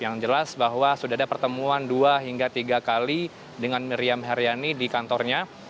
yang jelas bahwa sudah ada pertemuan dua hingga tiga kali dengan miriam haryani di kantornya